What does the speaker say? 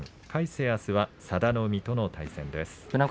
魁聖があすは佐田の海との対戦です。